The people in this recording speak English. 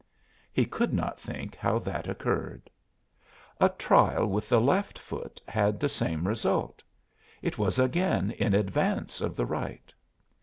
He could not think how that occurred. A trial with the left foot had the same result; it was again in advance of the right.